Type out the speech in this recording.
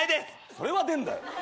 それは出んだよ。